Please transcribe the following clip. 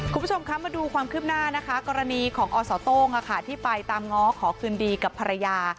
คุณผู้ชมคะมาดูความคืบหน้านะคะกรณีของอสโต้งที่ไปตามง้อขอคืนดีกับภรรยา